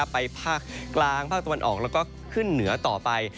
ภาคกลางภาคตะวันออกแล้วก็ขึ้นเหนือต่อไป